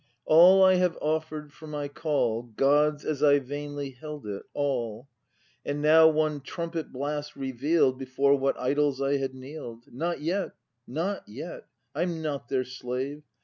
] All I have offer'd for my call, God's as I vainly held it, — all; And now one trumpet blast reveal'd Before what idols I had kneel'd. Not yet! not yet! I'm not their slave!